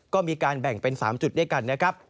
ก็มีการแบ่งเป็น๓จุดด้วยกันนะครับ